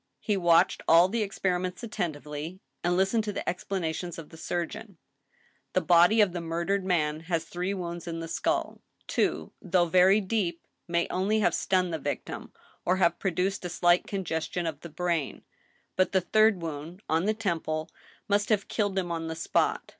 He watched 158 THE STEEL HAMMER, all the experiments attentively, and listened to the explanations of the surgeon. The body of the murdered man has three wounds in the skull. Two, though very deep, may only have stunned the victim, or have produced a slight congestion of the brain ; but the third wound, on the temple, must have killed him on the spot.